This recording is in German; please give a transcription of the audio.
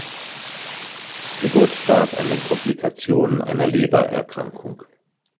Geburtstag an den Komplikationen einer Lebererkrankung.